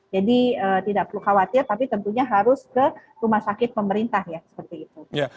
jadi tidak perlu khawatir tapi tentunya harus ke rumah sakit pemerintah ya seperti itu